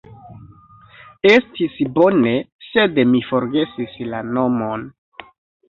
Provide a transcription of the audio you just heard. Estis bone, sed mi forgesis la nomon